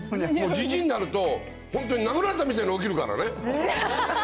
じじいになると、本当に殴られたみたいに起きるからね。